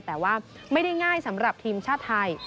แต่ว่าไม่ได้ง่ายสำหรับทีมชาติไทย